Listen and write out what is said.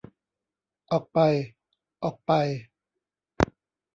ออกไป ! ออกไป !